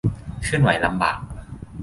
เคลื่อนไหวลำบาก